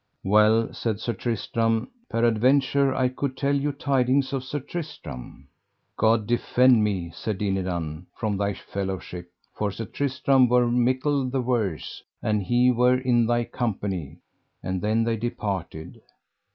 Well, said Sir Tristram, peradventure I could tell you tidings of Sir Tristram. God defend me, said Dinadan, from thy fellowship, for Sir Tristram were mickle the worse an he were in thy company; and then they departed.